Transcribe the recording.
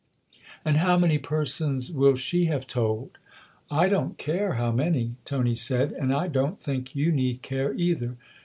" And how many persons will she have told ?"" I don't care how many," Tony said, " and I don't think you need care either.